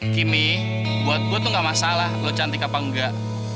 kimmy buat gue tuh gak masalah lo cantik apa enggak